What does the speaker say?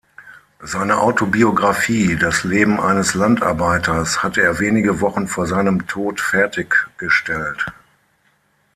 Seine Autobiographie "Das Leben eines Landarbeiters" hatte er wenige Wochen vor seinem Tod fertiggestellt.